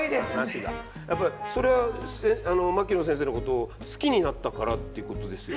やっぱりそれは牧野先生のことを好きになったからってことですよね？